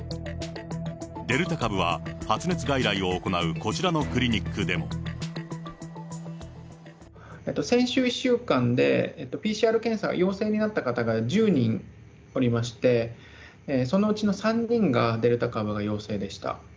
デルタ株は、発熱外来を行うこちらのクリニックでも。先週１週間で、ＰＣＲ検査、陽性になった方が１０人おりまして、そのうちの３人がデルタ株の陽性でした。